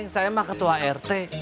saya memang ketua rt